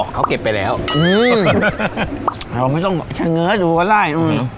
อ๋อเขาเก็บไปแล้วอื้อเราไม่ต้องใช้เงินให้ดูก็ได้อื้อ